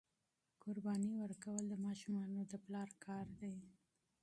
قرباني ورکول د ماشومانو د پلار کار دی.